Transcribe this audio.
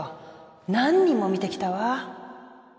何人も見てきたわ